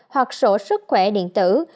hoặc sổ sức của ứng dụng vn e i g